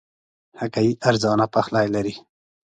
هګۍ ارزانه پخلی لري.